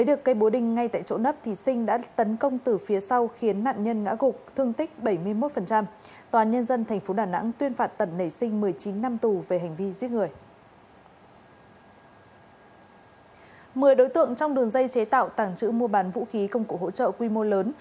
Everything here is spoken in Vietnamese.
một mươi đối tượng trong đường dây chế tạo tàng trữ mua bán vũ khí công cụ hỗ trợ quy mô lớn